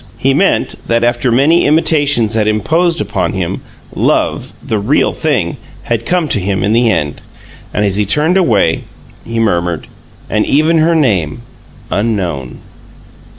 He meant that, after many imitations had imposed upon him, Love the real thing had come to him in the end. And as he turned away he murmured, "And even her name unknown!"